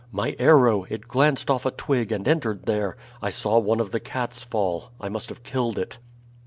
"My arrow; it glanced off a twig and entered there; I saw one of the cats fall. I must have killed it."